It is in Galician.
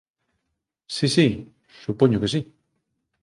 Si, si… supoño que si.